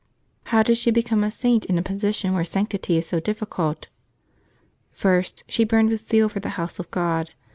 How did she become a Saint in a position where sanctity is so difficult? First, she burned with zeal for the house of God.